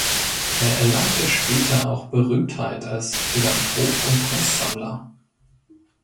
Er erlangte später auch Berühmtheit als Philanthrop und Kunstsammler.